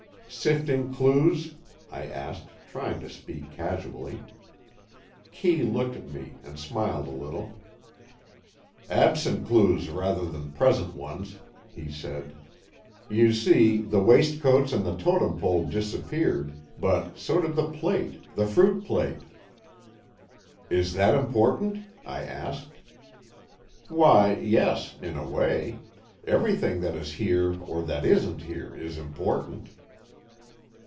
"Sifting clues?" I asked, trying to speak casually. Kee looked at me, and smiled a little. "Absent clues rather than present ones," he said. "You see, the waistcoats and the Totem Pole disappeared, but so did the plate—the fruit plate." "Is that important?" I asked. "Why, yes, in a way. Everything that is here or that isn't here is important."